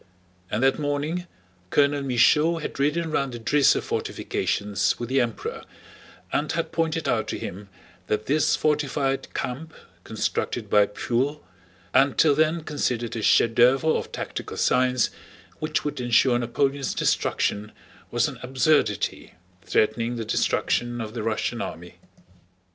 And that morning Colonel Michaud had ridden round the Drissa fortifications with the Emperor and had pointed out to him that this fortified camp constructed by Pfuel, and till then considered a chef d'oeuvre of tactical science which would ensure Napoleon's destruction, was an absurdity, threatening the destruction of the Russian army.